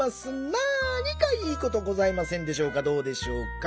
なにかいいことございませんでしょうかどうでしょうか。